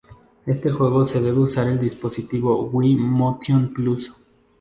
Este juego se debe usar el dispositivo Wii Motion Plus.